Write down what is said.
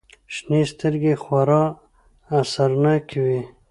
شنې سترگې يې خورا اثرناکې وې.